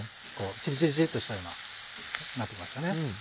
チリチリチリっとしたようななってきましたね。